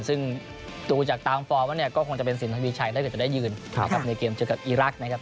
ซึ่งตัวจากตามฟอร์มเนี่ยก็คงจะเป็นสินทรัพยาบิชัยและจะได้ยืนในเกมเจอกับอิรักนะครับ